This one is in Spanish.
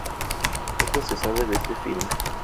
Poco se sabe de este filme.